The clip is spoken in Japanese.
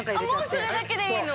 もうそれだけでいいの？